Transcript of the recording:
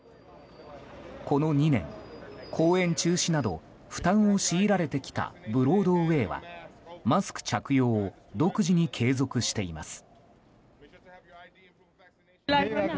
この２年、公演中止など負担を強いられてきたブロードウェーはマスク着用を独自に継続しています。